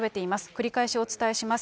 繰り返しお伝えします。